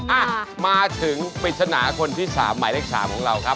อ่ะมาถึงปริจนาคนที่๓ใหม่เลขที่๓ของเราครับ